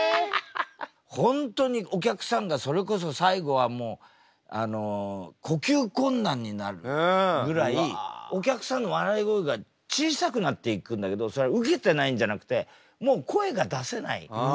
本当にお客さんがそれこそ最後はもう呼吸困難になるぐらいお客さんの笑い声が小さくなっていくんだけどそれはウケてないんじゃなくてもう声が出せない。